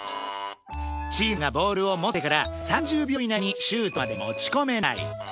チームがボールを持ってから３０秒以内にシュートまで持ち込めない。